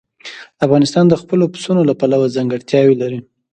افغانستان د خپلو پسونو له پلوه ځانګړتیاوې لري.